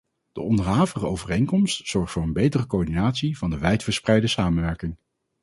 De onderhavige overeenkomst zorgt voor een betere coördinatie van de wijdverspreide samenwerking.